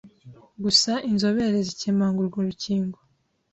Gusa inzobere zikemanga urwo rukingo